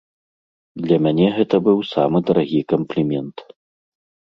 Для мяне гэта быў самы дарагі камплімент.